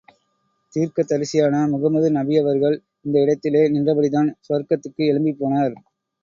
தீர்க்கதரிசியான முகமது நபியவர்கள் இந்த இடத்திலே நின்றபடிதான் சுவர்க்கத்துக்கு எழும்பிப் போனார்.